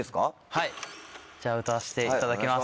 はいじゃあ歌わせていただきます。